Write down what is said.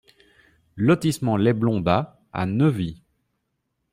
Lotissement Les Blondats à Neuvy